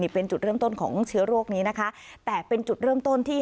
เป็นจุดเริ่มต้นของเชื้อโรคนี้นะคะแต่เป็นจุดเริ่มต้นที่